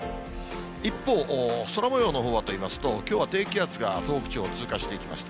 一方、空もようのほうはといいますと、きょうは低気圧が東北地方を通過していきました。